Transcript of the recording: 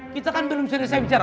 kita kan belum serius saya bicara